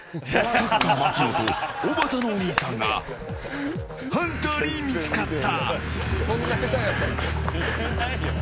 槙野とおばたのお兄さんがハンターに見つかった。